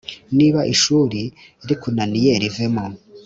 Niba ishuri rikunaniye rivemo